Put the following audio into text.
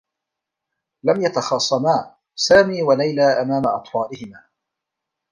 لم يتخاصما سامي و ليلى أمام أطفالهما.